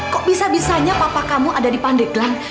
kok bisa bisanya papa kamu ada di pandeglang